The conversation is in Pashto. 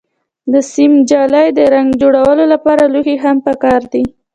د سیم جالۍ، د رنګ جوړولو لپاره لوښي هم پکار دي.